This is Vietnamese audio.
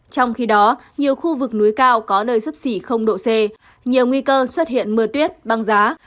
trong khi đó nhiều khu vực núi cao có nơi sấp xỉ độ c nhiều nguy cơ xuất hiện mưa tuyết băng giá